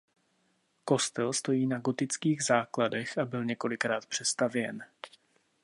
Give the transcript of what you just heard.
Kostel stojí na gotických základech a byl několikrát přestavěn.